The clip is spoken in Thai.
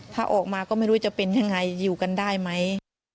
ถ้าออกมาก็ไม่รู้จะเป็นยังไงอยู่กันได้ไหม